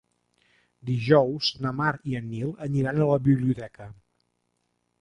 Dijous na Mar i en Nil iran a la biblioteca.